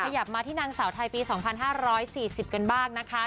ขยับมาที่นางสาวไทยปี๒๕๔๐กันบ้างนะคะ